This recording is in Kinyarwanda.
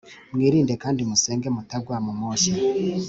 Mwirinde kandi musenge mutagwa mu moshya